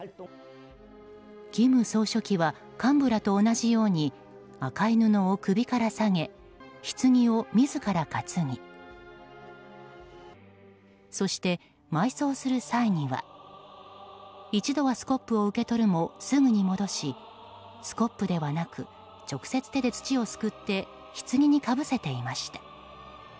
金総書記は幹部らと同じように赤い布を首から下げ棺を自ら担ぎそして埋葬する際には一度はスコップを受け取るもすぐに戻しスコップではなく直接手で土をすくって棺にかぶせていました。